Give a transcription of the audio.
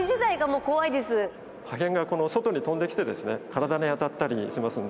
破片が外に飛んできて、体に当たったりしますんで。